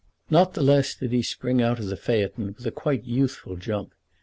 Not the less did he spring out of the phaeton with a quite youthful jump.